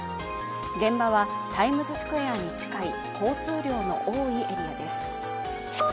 現場はタイムズスクエアに近い交通量の多いエリアです。